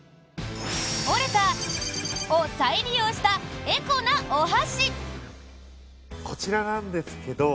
折れた○○を再利用したエコなお箸！